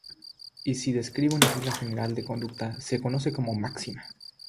Y si describe una regla general de conducta, se conoce como "máxima".